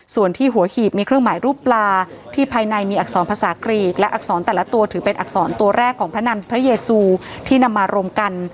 ส่วนที่หัวหีบมีเครื่องหมายรูปปลาที่ภายในมีอักษรภาษากรีกและอักษรแต่ละตัวถือเป็นอักษรตัวแรกของพระนันพระเยซูที่นำมารวมกัน